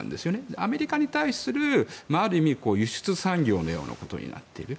アメリカに対するある意味、輸出産業のようなことになっている。